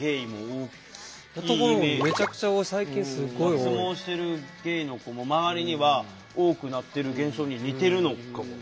脱毛してるゲイの子も周りには多くなってる現象に似てるのかもね。